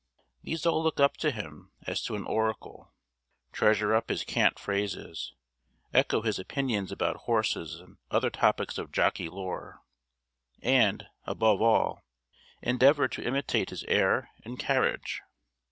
These all look up to him as to an oracle; treasure up his cant phrases; echo his opinions about horses and other topics of jockey lore; and, above all, endeavour to imitate his air and carriage.